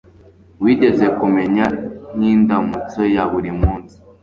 wigeze kumenya nkindamutso ya buri munsi